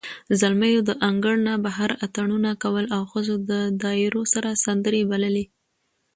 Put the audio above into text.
زلمیو د انګړ نه بهر اتڼونه کول، او ښځو د دایرو سره سندرې بللې.